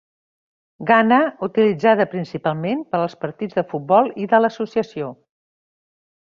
Ghana, utilitzada principalment per als partits de futbol de l'associació.